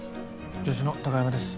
助手の貴山です。